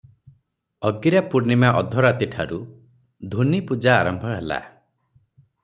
ଅଗିରାପୂର୍ଣ୍ଣିମା ଅଧରାତିଠାରୁ ଧୂନି ପୂଜା ଆରମ୍ଭ ହେଲା ।